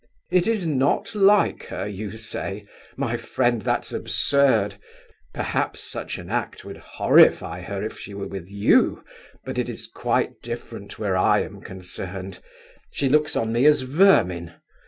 "It is not like her, you say? My friend, that's absurd. Perhaps such an act would horrify her, if she were with you, but it is quite different where I am concerned. She looks on me as vermin.